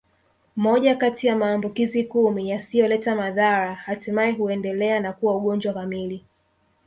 Moja kati ya maambukizo kumi yasiyoleta madhara hatimaye huendelea na kuwa ugonjwa kamili